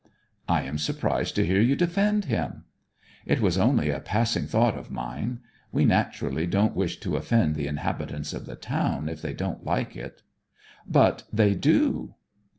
'I am surprised to hear you defend him!' 'It was only a passing thought of mine. We naturally don't wish to offend the inhabitants of the town if they don't like it.' 'But they do.'